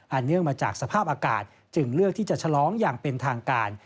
เนื่องมาจากสภาพอากาศจึงเลือกที่จะฉลองอย่างเป็นทางการ